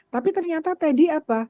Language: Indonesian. tapi ternyata teddy apa